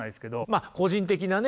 まあ個人的なね